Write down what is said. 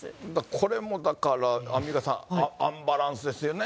これもだからアンミカさん、アンバランスですよね。